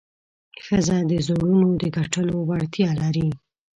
ښځه د زړونو د ګټلو وړتیا لري.